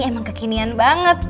emang kekinian banget